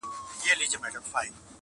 • بدرګه را سره ستوري وړمه یاره,